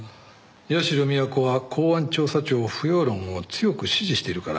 社美彌子は公安調査庁不要論を強く支持しているからね。